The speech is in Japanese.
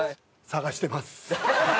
探してます。